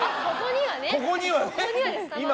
ここにはね。